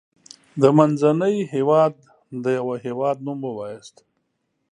د منځني هيواد دیوه هیواد نوم ووایاست.